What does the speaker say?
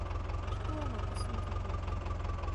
Škola má osm fakult.